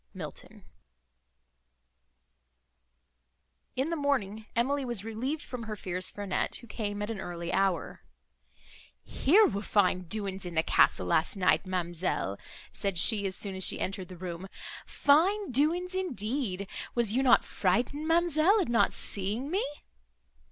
MILTON In the morning Emily was relieved from her fears for Annette, who came at an early hour. "Here were fine doings in the castle, last night, ma'amselle," said she, as soon as she entered the room,—"fine doings, indeed! Were you not frightened, ma'amselle, at not seeing me?"